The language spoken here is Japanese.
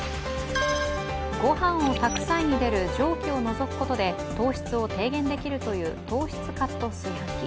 ご飯を炊く際に出る蒸気を除くことで糖質を低減できるという糖質カット炊飯器。